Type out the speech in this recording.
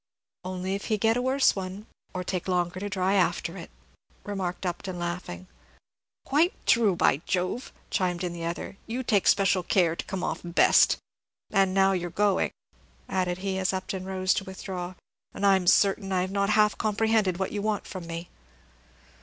"Only if he get a worse one, or take longer to dry after it," remarked Upton, laughing. "Quite true, by Jove!" chimed in the other; "you take special care to come off best. And now you 're going," added he, as Upton rose to withdraw, "and I'm certain that I have not half comprehended what you want from me."